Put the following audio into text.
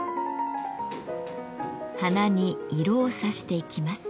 花に色をさしていきます。